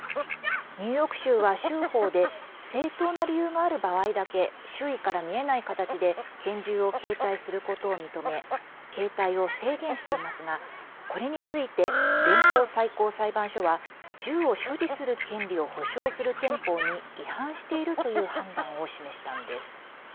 ニューヨーク州は州法で正当な理由がある場合だけ周囲から見えない形で拳銃を携帯することを認め携帯を制限していますがこれについて、連邦最高裁判所は銃を所持する権利を保障する憲法に違反しているという判断を示したんです。